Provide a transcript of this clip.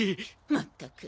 まったく。